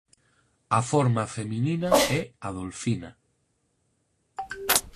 A forma feminina é Adolfina.